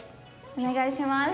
お願いします。